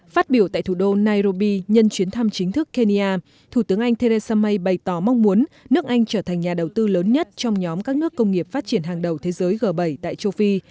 phát biểu tại thủ đô nairobi nhân chuyến thăm chính thức kenya thủ tướng anh theresa may bày tỏ mong muốn nước anh trở thành nhà đầu tư lớn nhất trong nhóm các nước công nghiệp phát triển hàng đầu thế giới g bảy tại châu phi